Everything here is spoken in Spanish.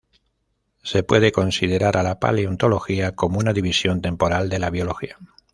Se puede considerar a la Paleontología como una división temporal de la Biología.